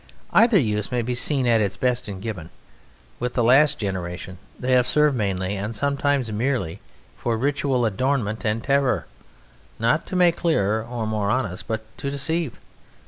Either use may be seen at its best in Gibbon. With the last generation they have served mainly, and sometimes merely, for ritual adornment and terror, not to make clearer or more honest, but to deceive.